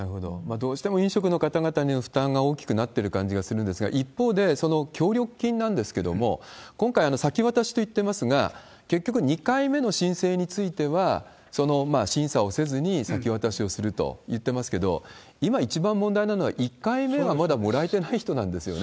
どうしても飲食の方々には負担が大きくなっている感じがするんですが、一方で、その協力金なんですけれども、今回、先渡しといっていますが、結局２回目の申請については、その審査をせずに先渡しをすると言ってますけれども、今、一番問題なのは１回目がまだもらえてない人なんですよね。